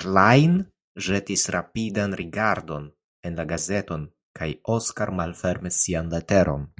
Klajn ĵetis rapidan rigardon en la gazeton kaj Oskar malfermis sian leteron.